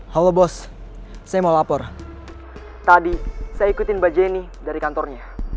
halo bos saya mau lapor tadi saya ikutin mbak jenny dari kantornya